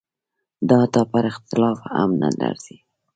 دا حتی پر اختلاف هم نه ارزي.